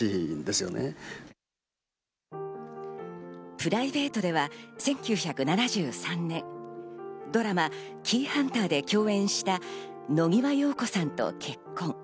プライベートでは１９７３年、ドラマ『キイハンター』で共演した野際陽子さんと結婚。